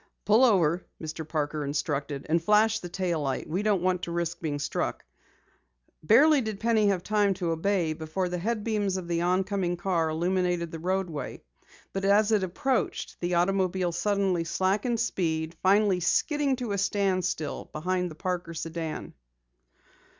"Pull over," Mr. Parker instructed. "And flash the tail light. We don't want to risk being struck." Barely did Penny have time to obey before the head beams of the oncoming car illuminated the roadway. But as it approached, the automobile suddenly slackened speed, finally skidding to a standstill beside the Parker sedan.